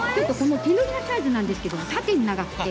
手乗りのサイズなんですけど縦に長くて。